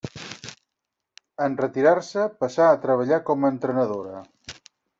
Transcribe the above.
En retirar-se passà a treballar com a entrenadora.